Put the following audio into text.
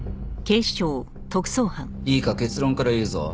いいか結論から言うぞ。